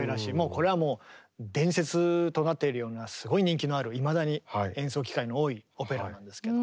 これはもう伝説となっているようなすごい人気のあるいまだに演奏機会の多いオペラなんですけど。